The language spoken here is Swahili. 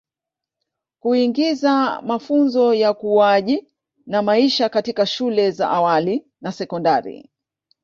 Kuingiza mafunzo ya ukuaji na maisha katika shule za awali na sekondari